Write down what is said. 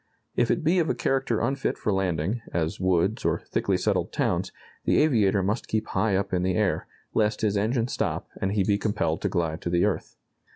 If it be of a character unfit for landing, as woods, or thickly settled towns, the aviator must keep high up in the air, lest his engine stop and he be compelled to glide to the earth.